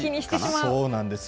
そうなんですよ。